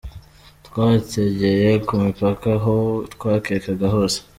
Twabategeye ku mipaka aho twakekaga hose.